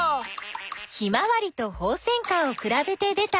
ヒマワリとホウセンカをくらべて出たふしぎ。